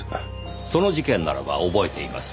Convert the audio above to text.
その事件ならば覚えています。